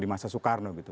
dia menjadi sukarna gitu